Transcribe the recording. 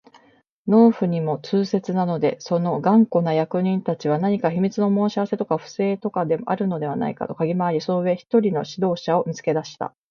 農夫にも痛切なので、その頑固な役人たちは何か秘密の申し合せとか不正とかでもあるのではないかとかぎ廻り、その上、一人の指導者を見つけ出した